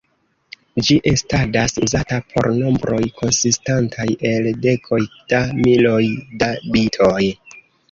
Ĝi estadas uzata por nombroj konsistantaj el dekoj da miloj da bitoj.